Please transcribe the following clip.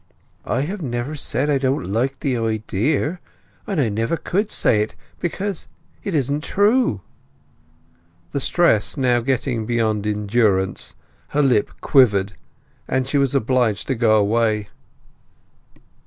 "I have never said I don't like the idea, and I never could say it; because—it isn't true!" The stress now getting beyond endurance, her lip quivered, and she was obliged to go away.